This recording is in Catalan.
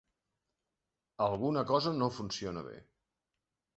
Alguna cosa no funciona bé.